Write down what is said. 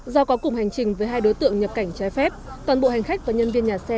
do có cùng hành trình với hai đối tượng nhập cảnh trái phép toàn bộ hành khách và nhân viên nhà xe